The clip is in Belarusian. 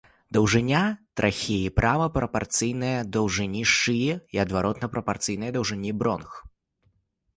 Даўжыня трахеі прама прапарцыйная даўжыні шыі і адваротна прапарцыйная даўжыні бронх.